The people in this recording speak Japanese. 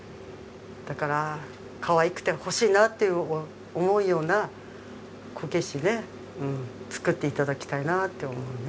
だからかわいくて欲しいなって思うようなこけしね作って頂きたいなって思うね。